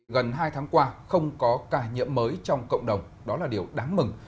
gần hai tháng qua không có ca nhiễm mới trong cộng đồng đó là điều đáng mừng